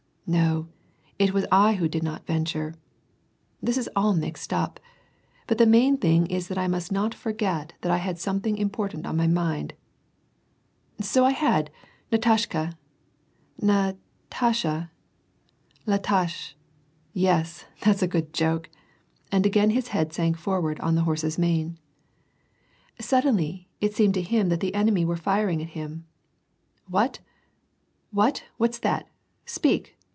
No, it was 1 who did not venture ! This is all mixed up ! but the m^ thing is that I must not forget that I had something important on my mind; so I had! Natashka — Na — tasha — la tache— yes, that's a good joke !" and again his head sank forward on the horse's mane. Suddenly, it seemed to him that the enemy were firing at him. "What? What, what's that; speak!